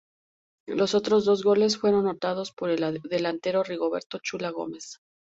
Los otros dos goles fueron anotados por el delantero Rigoberto 'Chula' Gómez.